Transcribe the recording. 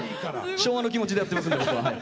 昭和の気持ちでやってますんで僕は。